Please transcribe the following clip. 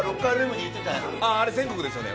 あれ全国ですよね？